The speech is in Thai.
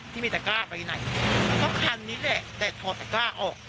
ที่มีตะก้าไปไหนก็คันนี้แหละแต่ถอดตะกล้าออก